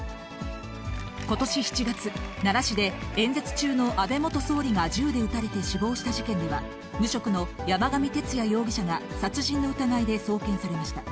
ことし７月、奈良市で、演説中の安倍元総理が銃で撃たれて死亡した事件では、無職の山上徹也容疑者が殺人の疑いで送検されました。